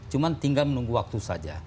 cuma tinggal menunggu waktu saja